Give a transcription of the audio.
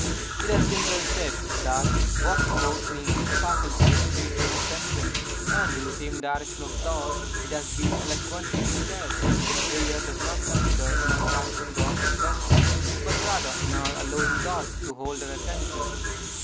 It has been well said, that what we most need is the faculty of spiritual attention; and in the same direction of thought it has been eloquently declared that prayer does not consist in our catching God's attention, but rather in our allowing God to hold our attention.